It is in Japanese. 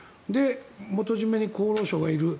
元締めに厚労省がいる。